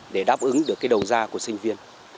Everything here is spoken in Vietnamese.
để đáp ứng được đầu gia của sinh viên